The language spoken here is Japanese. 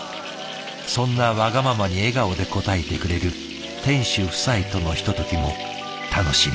そんなワガママに笑顔で応えてくれる店主夫妻とのひとときも楽しみに。